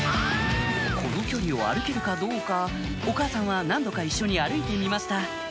この距離を歩けるかどうかお母さんは何度か一緒に歩いてみました